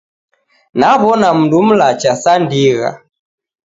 Naw'ona mundu mlacha sa ndigha